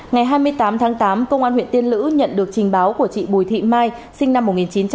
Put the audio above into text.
ngày hai mươi tám tháng tám công an huyện tiên lữ nhận được trình báo của chị bùi thị mai sinh năm một nghìn chín trăm tám mươi